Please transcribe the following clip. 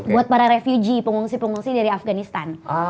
buat para refuge pengungsi pengungsi dari afganistan